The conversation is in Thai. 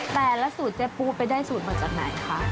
แต่ละสูตรเจ๊ปูไปได้สูตรมาจากไหนคะ